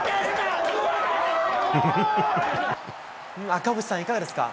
赤星さん、いかがですか？